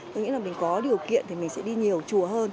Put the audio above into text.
tôi nghĩ là mình có điều kiện thì mình sẽ đi nhiều chùa hơn